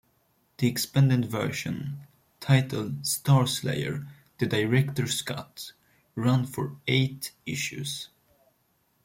The expanded version, titled "Starslayer: The Director's Cut", ran for eight issues.